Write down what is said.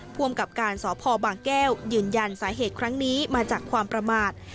ภูมิกับการสพบางแก้วยืนยันสาเหตุครั้งนี้มาจากความประมาท